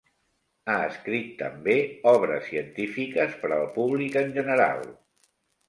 Ha escrit també obres científiques per al públic en general.